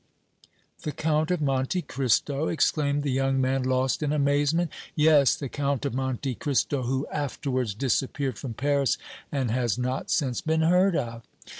"The Count of Monte Cristo?" exclaimed the young man, lost in amazement. "Yes, the Count of Monte Cristo, who afterwards disappeared from Paris and has not since been heard of."